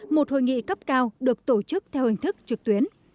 một hội nghị cấp cao được tổ chức theo hình thức trực tuyến